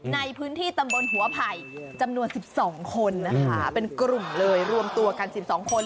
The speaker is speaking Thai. ในพื้นที่ตำบลหัวไผ่จำนวน๑๒คนนะคะเป็นกลุ่มเลยรวมตัวกัน๑๒คน